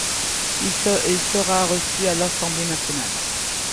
Il sera reçu à l'Assemblée Nationale.